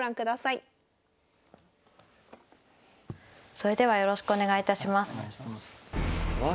それではよろしくお願いいたします。